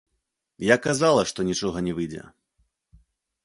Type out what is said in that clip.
Я казала, што нічога не выйдзе.